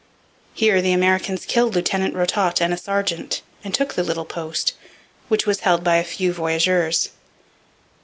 Here the Americans killed Lieutenant Rototte and a sergeant, and took the little post, which was held by a few voyageurs.